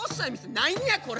何やこら！